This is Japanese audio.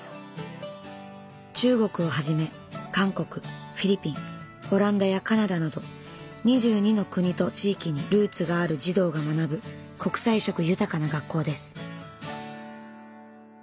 中国をはじめ韓国フィリピンオランダやカナダなど２２の国と地域にルーツがある児童が学ぶ国際色豊かな学校です。